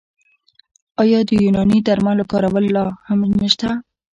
آیا د یوناني درملو کارول لا هم نشته؟